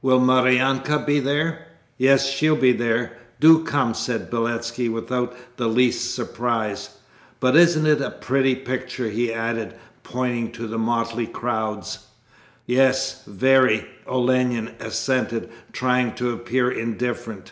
'Will Maryanka be there?' 'Yes, she'll be there. Do come!' said Beletski, without the least surprise. 'But isn't it a pretty picture?' he added, pointing to the motley crowds. 'Yes, very!' Olenin assented, trying to appear indifferent.